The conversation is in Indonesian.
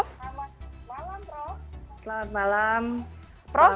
selamat malam prof